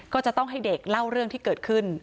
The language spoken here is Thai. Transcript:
ก็จะต้องให้เด็กเล่าเรื่องที่เกิดขึ้น